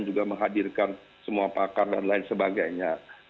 juga menghadirkan semua pakar dan lain sebagainya